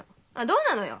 どうなのよ？